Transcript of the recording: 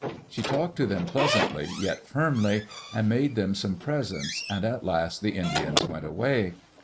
She talked to them pleas antly, yet firmly, and made them some presents, and at last the Indians went away.